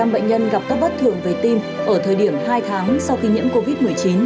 hai mươi sáu mươi bệnh nhân gặp các bất thường về tim ở thời điểm hai tháng sau khi nhiễm covid một mươi chín